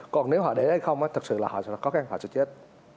còn nếu họ để đây không thì thật sự là họ sẽ có khó khăn họ sẽ chết